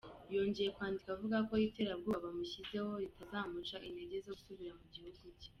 Yongeye kwandika avuga ko iterabwoba bamushyizeho ritazamuca intege zo gusubira mu gihugu cye.